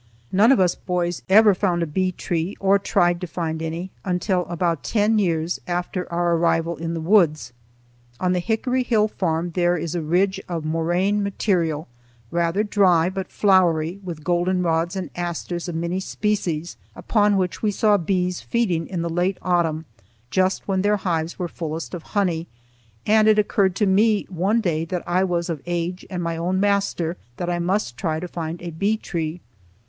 None of us boys ever found a bee tree, or tried to find any until about ten years after our arrival in the woods. On the Hickory Hill farm there is a ridge of moraine material, rather dry, but flowery with goldenrods and asters of many species, upon which we saw bees feeding in the late autumn just when their hives were fullest of honey, and it occurred to me one day after I was of age and my own master that I must try to find a bee tree.